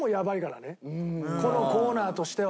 このコーナーとしては。